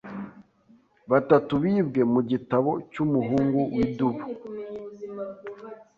batatu bibwe mu gitabo cyumuhungu widubu